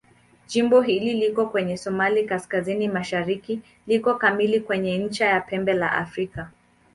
Jimbo hili liko kwenye Somalia kaskazini-mashariki liko kamili kwenye ncha ya Pembe la Afrika.